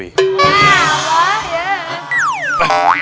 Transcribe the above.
ya allah ya